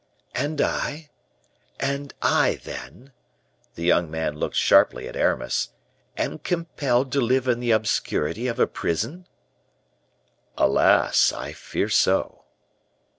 "And I and I, then" (the young man looked sharply at Aramis) "am compelled to live in the obscurity of a prison?" "Alas! I fear so."